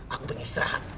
aku pengen istirahat